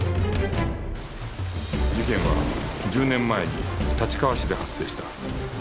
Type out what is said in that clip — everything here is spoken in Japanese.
事件は１０年前に立川市で発生した